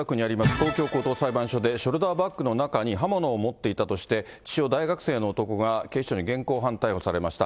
東京高等裁判所で、ショルダーバッグの中に刃物を持っていたとして、自称、大学生の男が警視庁に現行犯逮捕されました。